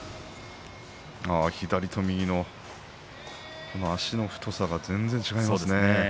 左と右の足の太さが全然違いますね。